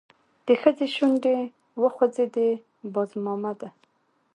د ښځې شونډې وخوځېدې: باز مامده!